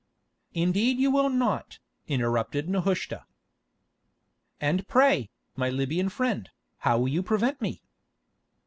"Indeed you will not," interrupted Nehushta. "And pray, my Libyan friend, how will you prevent me?"